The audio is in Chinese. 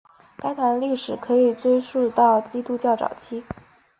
该堂的历史可追溯到基督教早期。